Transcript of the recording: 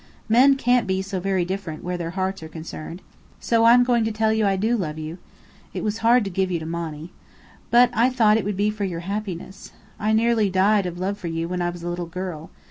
Men can't be so very different where their hearts are concerned. So I'm going to tell you I do love you. It was hard to give you to Monny. But I thought it would be for your happiness. I nearly died of love for you when I was a little girl.